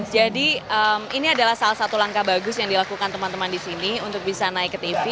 jadi ini adalah salah satu langkah bagus yang dilakukan teman teman di sini untuk bisa naik ke tv